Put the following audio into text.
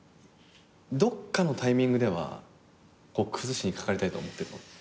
どっかのタイミングでは崩しにかかりたいとは思ってるの？